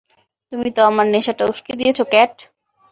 তুমি তো আমার নেশাটা উস্কে দিয়েছে, ক্যাট!